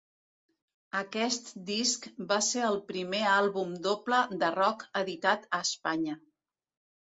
Aquest disc va ser el primer àlbum doble de rock editat a Espanya.